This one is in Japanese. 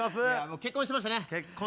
結婚しましたねうん。